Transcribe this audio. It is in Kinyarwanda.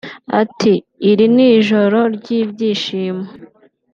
Ati “ Iri ni joro ry’ibyishimo